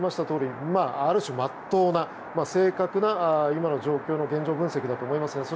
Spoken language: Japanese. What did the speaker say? とおりある種、真っ当な正確な今の状況の現状分析だと思います。